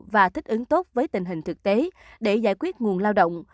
và thích ứng tốt với tình hình thực tế để giải quyết nguồn lao động